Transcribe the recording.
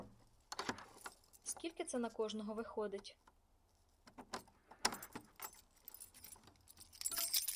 Скільки це на кожного виходить?